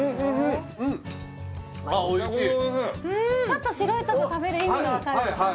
ちょっと白いとこ食べる意味が分かるでしょ？